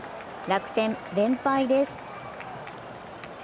楽天、連敗です。